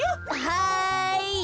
はい！